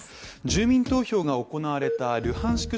住民投票が行われたルハンシク